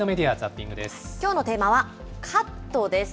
きょうのテーマは、カットです。